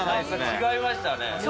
違いましたね。